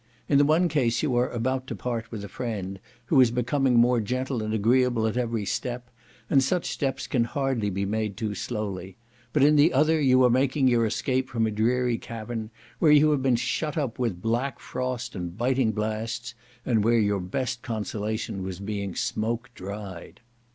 In the one case you are about to part with a friend, who is becoming more gentle and agreeable at every step, and such steps can hardly be made too slowly; but in the other you are making your escape from a dreary cavern, where you have been shut up with black frost and biting blasts, and where your best consolation was being smoke dried.